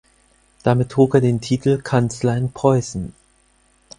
Damit trug er den Titel Kanzler in Preußen.